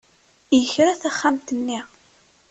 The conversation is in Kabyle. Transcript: Yekra taxxamt-nni.